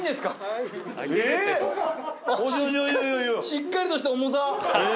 しっかりとした重さ。